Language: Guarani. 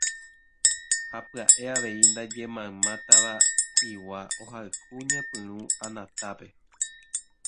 ha pya'e avei ndaje mayma Tava'igua ohayhu ñepyrũ Anatápe